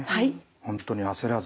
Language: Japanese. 本当に焦らず。